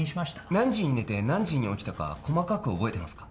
何時に寝て何時に起きたか細かく覚えてますか？